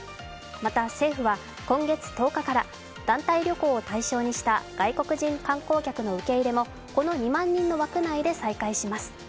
また政府は今月１０日から、団体旅行を対象にした外国人観光客の受け入れもこの２万人の枠内で再開します。